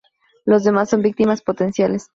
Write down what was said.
Los demás son víctimas potenciales.